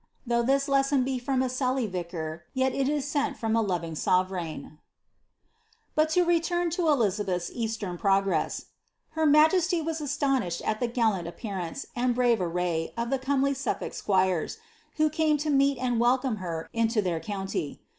Though this lesson be from a tely vktr/ jet it is sent from a loving soveraine.'* * Bat to return to Elizabeth's eastern progress :— Her majesty was iftonished at the gallant appearance and brave array of the comely Suf folk squires, who came to meet and welcome her into their county.